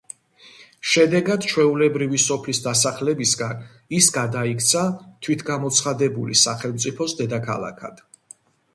შედეგად, ჩვეულებრივი სოფლის დასახლებისგან ის გადაიქცა თვითგამოცხადებული სახელმწიფოს დედაქალაქად.